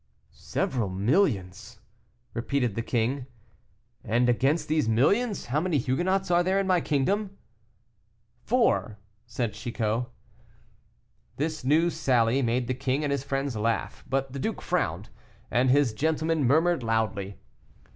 "Several millions!" repeated the king; "and against these millions, how many Huguenots are there in my kingdom?" "Four," said Chicot. This new sally made the king and his friends laugh, but the duke frowned, and his gentlemen murmured loudly.